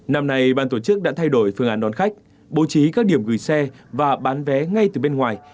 năm nay ban tổ chức đã thay đổi phương án đón khách bố trí các điểm gửi xe và bán vé ngay từ bên ngoài